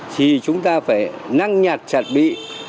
thì chúng ta phải năng nhạt chặt bị